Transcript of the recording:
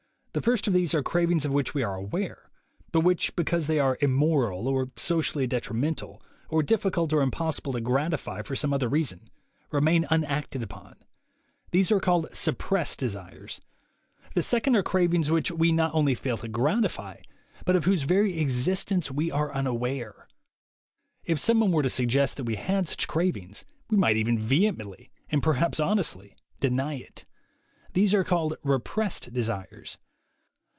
The first of these are cravings of which we are aware, but which, be cause they are "immoral," or socially detrimental, or difficult or impossible to gratify for some other reason, remain unacted upon. These are called "suppressed" desires. The second are cravings which we not only fail to gratify, but of whose very existence we are unaware. If someone were to suggest that we had such cravings we might even vehemently, and perhaps honestly, deny it. These are called "repressed" desires.